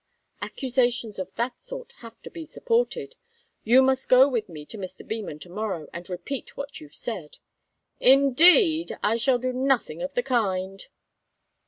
"Accusations of that sort have to be supported. You must go with me to Mr. Beman to morrow, and repeat what you've said." "Indeed? I shall do nothing of the kind."